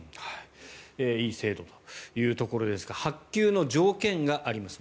いい制度というところですが発給の条件があります。